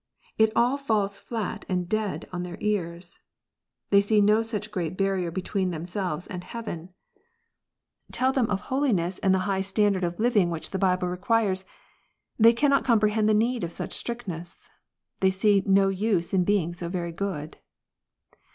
It all falls flat and dead on their ears. They see no such great barrier between themselves and heaven. 120 KNOTS UNTIED. i Tell them of holiness, and the high standard of living which I the Bible requires. They cannot comprehend the need of such Istrictness. They see no use in being so very good.